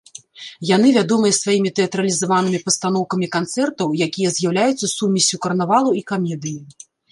Яны вядомыя сваімі тэатралізаванымі пастаноўкамі канцэртаў, якія з'яўляюцца сумессю карнавалу і камедыі.